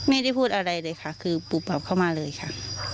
ไม่ได้พูดอะไรเลยค่ะคือปุ๊บเข้ามาเลยค่ะ